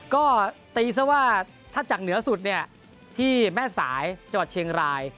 ก็ตีซะว่าถ้าจากเหนือสุดเนี่ยที่แม่สายจังหวัดเชียงราย